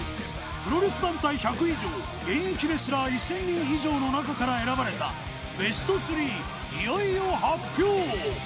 プロレス団体１００以上現役レスラー１０００人以上の中から選ばれたベスト３いよいよ発表。